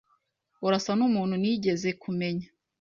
Urasa numuntu nigeze kumenya.